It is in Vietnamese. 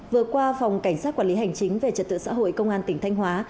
vừa qua phòng cảnh sát quản lý hành chính về trật tự xã hội công an tỉnh thanh hóa